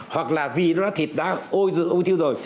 hoặc là vì thịt đã ôi tiêu rồi